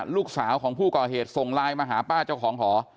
ลูกสาวของผู้ก่อเหตุส่งไลน์มาหาป้าเจ้าของหอ